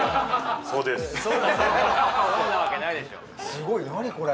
すごい何これ？